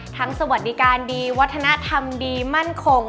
สวัสดีการดีวัฒนธรรมดีมั่นคง